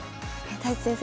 太地先生